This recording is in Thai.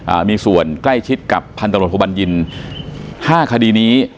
อ่ามีส่วนใกล้ชิดกับพันตรวจพบัญญินห้าคดีนี้